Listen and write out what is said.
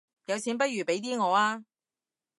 有錢不如俾啲我吖